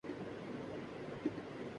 پچھلی ایک دہائی میں فقط تین سال